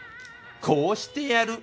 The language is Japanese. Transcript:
こうしてやる！